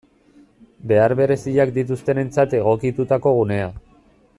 Behar bereziak dituztenentzat egokitutako gunea.